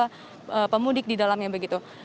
jadi memang sudah ada pemudik di dalamnya begitu